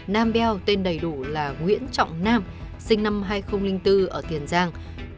nam beo tên đầy đủ là nguyễn trọng nam sinh năm hai nghìn bốn ở tiền giang